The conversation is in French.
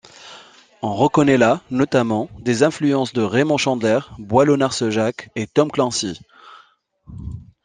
On reconnaît là, notamment, des influences de Raymond Chandler, Boileau-Narcejac, et Tom Clancy.